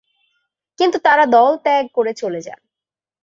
কিন্তু তারা দলত্যাগ করে চলে যান।